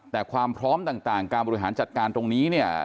แต่ความพร้อมต่างการบริหารจัดการตรงนี้เนี่ย